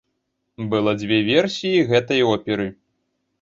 Была дзве версіі гэтай оперы.